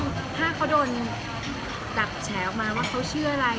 ตรงนั้นถ้าเขาโดนจับแฉอกมาว่าเขาเค้าเชื่ออะไร